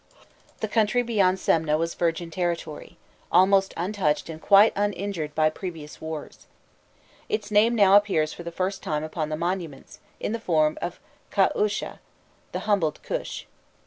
The country beyond Semneh was virgin territory, almost untouched and quite uninjured by previous wars. Its name now appears for the first time upon the monuments, in the form of Kaûshû the humbled Kûsh.